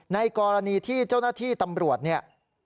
ในกรณีที่เจ้าหน้าที่ตำรวจเนี่ย